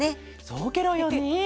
そうケロよね。